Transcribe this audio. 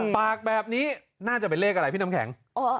ปากแบบนี้น่าจะเป็นเลขอะไรพี่น้ำแข็ง